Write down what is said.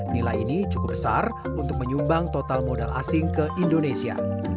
nilai ini cukup besar untuk menyumbang total modal asing ke indonesia